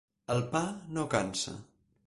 El pa no cansa.